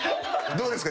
どうですか？